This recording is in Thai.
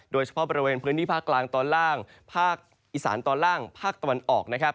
โดยเฉพาะบริเวณพื้นที่ภาคกลางตอนล่างภาคอีสานตอนล่างภาคตะวันออกนะครับ